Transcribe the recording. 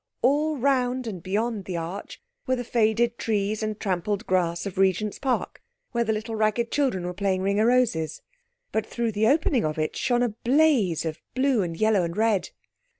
All round and beyond the arch were the faded trees and trampled grass of Regent's Park, where the little ragged children were playing Ring o' Roses. But through the opening of it shone a blaze of blue and yellow and red.